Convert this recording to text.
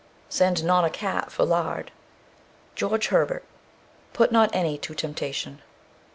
Send not a cat for lard. GEORGE HERBERT. Put not any to temptation.